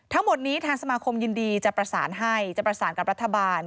ทั้งหมดนี้ทางสมาคมยินดีจะประสานให้จะประสานกับรัฐบาล